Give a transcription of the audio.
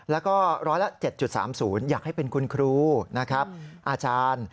แล้วก็ร้อยละ๗๓๐อยากให้เป็นคุณครูนะครับอาจารย์